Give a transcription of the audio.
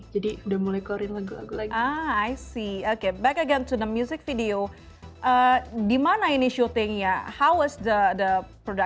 jadi kita selesai lagu ini udah cukup lama cuma kita ngerasa lagu ini perlu untuk masuk ke dalam proyek masa depan aku dan kita harus mencapai itu